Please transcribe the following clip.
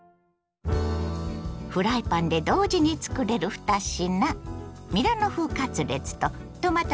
フライパンで同時につくれる２品。